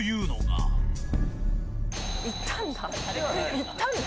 その行ったんだ。